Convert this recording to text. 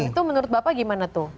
itu menurut bapak gimana tuh